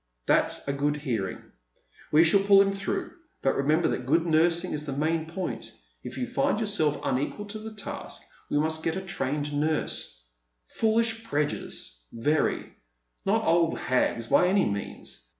" That's a good hearing. "We shall pull him through, but remember that good nursing is the main point. If you find yourself tjnequal to the task we must get a trained nurse — foolish prejudice, very — not old hags by any means.